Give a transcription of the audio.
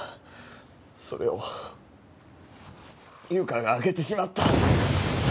それをゆかが開けてしまった。